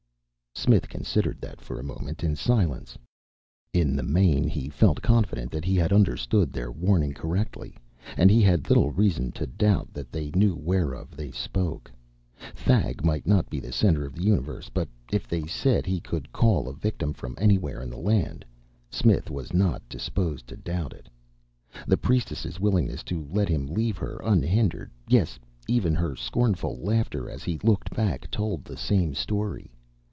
Smith considered that for a moment in silence. In the main he felt confident that he had understood their warning correctly, and he had little reason to doubt that they knew whereof they spoke. Thag might not be the center of the universe, but if they said he could call a victim from anywhere in the land, Smith was not disposed to doubt it. The priestess' willingness to let him leave her unhindered, yes, even her scornful laughter as he looked back, told the same story.